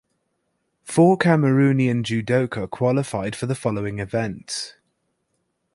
Four Cameroonian judoka qualified for the following events.